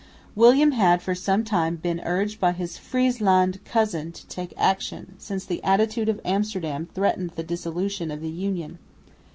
William had for some time been urged by his Friesland cousin to take action, since the attitude of Amsterdam threatened the dissolution of the Union.